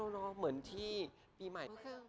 ขอบคุณค่ะ